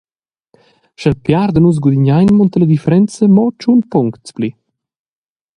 Sch’el spiarda e nus gudignein munta la differenza mo tschun puncts pli.